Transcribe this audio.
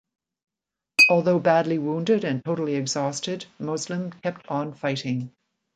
Although badly wounded and totally exhausted, Muslim kept on fighting.